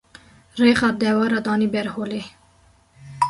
rêxa dewera danî ber holê.